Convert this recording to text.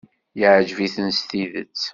Yeɛjeb-iten s tidet.